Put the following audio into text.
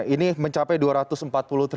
ini mencapai rp dua ratus empat puluh triliun